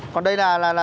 còn đây là là là